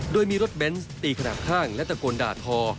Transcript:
โดยมีรถเบนส์ตีขนาดข้างและตะโกนด่าทอ